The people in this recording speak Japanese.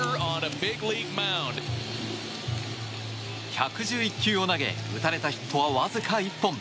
１１１球を投げ打たれたヒットは、わずか１本。